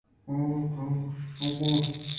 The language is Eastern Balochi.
کہ اے وہد ءَ وت ساہگے ءَ بُوتیں